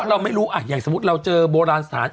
เราไม่รู้อย่างสมมุติเราเจอโบราณสถาน